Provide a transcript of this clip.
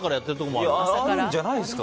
あるんじゃないですか。